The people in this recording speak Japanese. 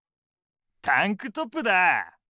タンクトップだぁ！